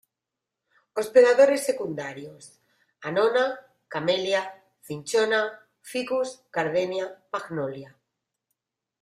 Hospedadores secundarios: "Annona, Camellia, Cinchona, Ficus, Gardenia, Magnolia".